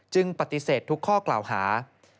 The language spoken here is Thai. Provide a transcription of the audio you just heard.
ปฏิเสธทุกข้อกล่าวหา